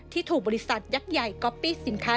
ที่ถูกบริษัทยักษ์ใหญ่ก๊อปปี้สินค้า